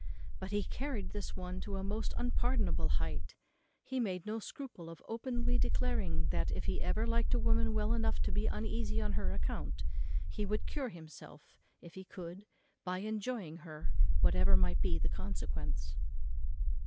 But he carried this one to a most unpardonable height; and made no scruple of openly declaring that, if he ever liked a woman well enough to be uneasy on her account, he would cure himself, if he could, by enjoying her, whatever might be the consequence.